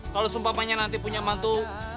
kalau sumpah papanya nanti punya mantu